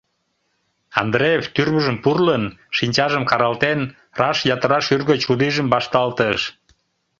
Андреев, тӱрвыжым пурлын, шинчажым каралтен, раш йытыра шӱргӧ чурийжым вашталтыш.